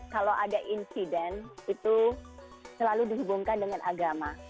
kalau ada insiden itu selalu dihubungkan dengan agama